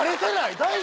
大丈夫？